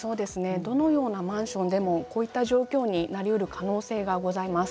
どのようなマンションでもこのような状況になりうる可能性があります。